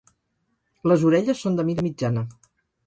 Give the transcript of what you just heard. Les orelles són de mida mitjana.